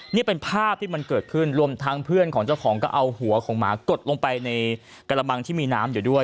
นี่เป็นภาพที่มันเกิดขึ้นรวมทั้งเพื่อนของเจ้าของก็เอาหัวของหมากดลงไปในกระมังที่มีน้ำอยู่ด้วย